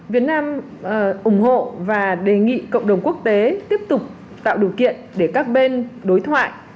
việt nam ủng hộ và đề nghị cộng đồng quốc tế tiếp tục tạo điều kiện để các bên đối thoại